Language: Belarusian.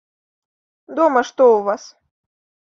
Дома што ў вас?